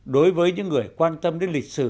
đối với những người quan tâm đến lịch sử